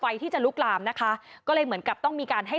ทีนี้จากรายทื่อของคณะรัฐมนตรี